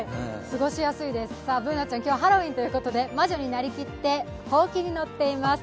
過ごしやすいです、Ｂｏｏｎａちゃん、今日はハロウィーンということで魔女になりきって、ほうきに乗っています。